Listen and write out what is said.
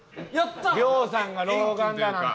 亮さんが老眼だなんて。